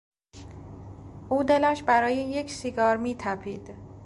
او دلش برای یک سیگار میتپید.